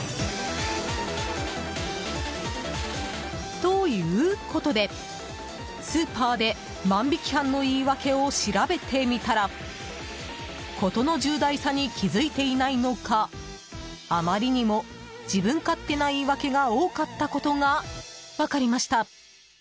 ということで、スーパーで万引き犯の言い訳を調べてみたら事の重大さに気づいていないのかあまりにも自分勝手な言い訳が多かったことが分かりました。